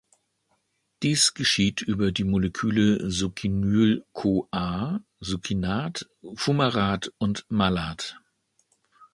Dies geschieht über die Moleküle Succinyl-CoA, Succinat, Fumarat und Malat.